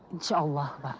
insya allah pak